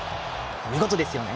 見事ですよね。